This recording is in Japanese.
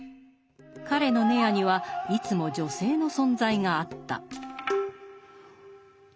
彼の閨にはいつも女性の存在があった。